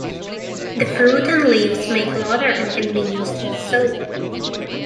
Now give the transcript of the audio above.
The fruit and leaves make lather and can be used as soap.